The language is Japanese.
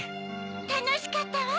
たのしかったわ。